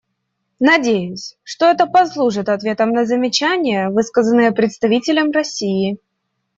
Надеюсь, что это послужит ответом на замечания, высказанные представителем России.